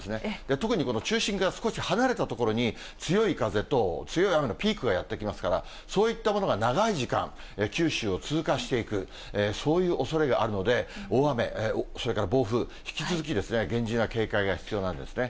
特にこの中心から少し離れた所に、強い風と強い雨のピークがやって来ますから、そういったものが長い時間、九州を通過していく、そういうおそれがあるので、大雨、それから暴風、引き続き厳重な警戒が必要なんですね。